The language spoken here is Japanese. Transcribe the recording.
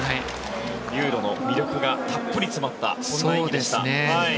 ユーロの魅力がたっぷり詰まったそんな演技でした。